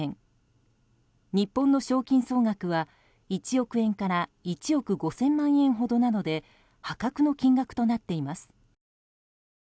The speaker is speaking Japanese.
日本の賞金総額は１億円から１億５０００万円ほどなので破格の金額となっています。